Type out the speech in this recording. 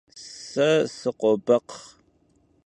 Se sıkhobekxh.